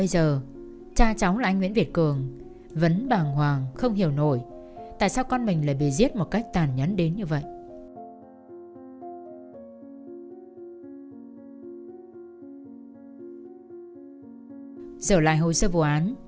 giờ lại hồi sơ vụ án